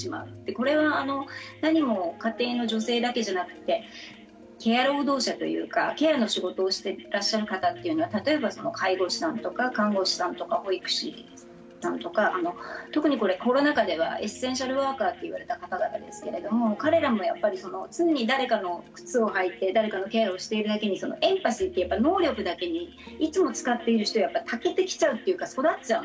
これはなにも家庭の女性だけじゃなくてケア労働者というかケアの仕事をしていらっしゃる方というのは例えば介護士さんとか看護師さんとか保育士さんとか特にこれコロナ禍ではエッセンシャルワーカーといわれた方々ですけれども彼らもやっぱり常に誰かの靴を履いて誰かのケアをしているだけにそのエンパシーってやっぱり能力だけにいつも使っている人はやっぱりたけてきちゃうというか育っちゃうんですよね。